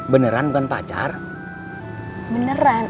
beneran dan pacar beneran